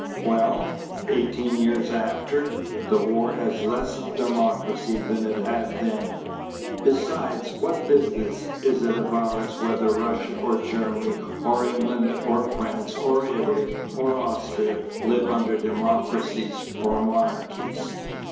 Well, eighteen years after, the world has less of democracy than it had then. Besides, what business is it of ours whether Russia or Germany or England or France or Italy or Austria live under democracies or monarchies?